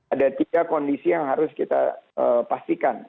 ada tiga kondisi yang harus kita pastikan